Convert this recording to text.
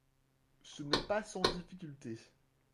Ce n'est pas sans difficulté.